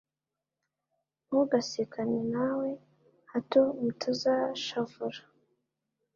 ntugasekane na we, hato mutazashavurana